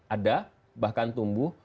ada bahkan tumbuh